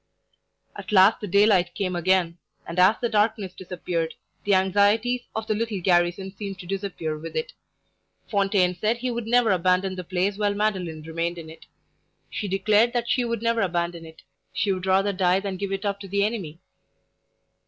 At last the daylight came again; and as the darkness disappeared, the anxieties of the little garrison seemed to disappear with it. Fontaine said he would never abandon the place while Madeline remained in it. She declared that she would never abandon it: she would rather die than give it up to the enemy.